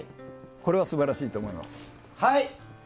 これは素晴らしいと思います。